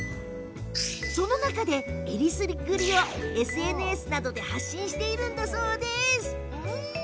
その中でも、えりすぐりをＳＮＳなどで発信しているのだそうです。